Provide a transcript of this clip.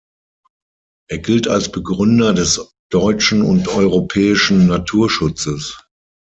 Er gilt als Begründer des deutschen und europäischen Naturschutzes.